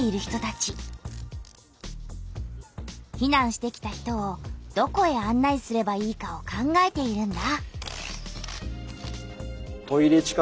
ひなんしてきた人をどこへあん内すればいいかを考えているんだ。